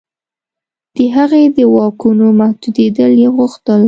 د هغې د واکونو محدودېدل یې غوښتل.